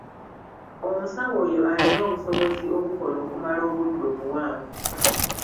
Omusawo oyo alina obusobozi obukola okumala obudde obuwanvu.